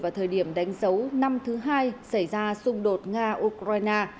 vào thời điểm đánh dấu năm thứ hai xảy ra xung đột nga ukraine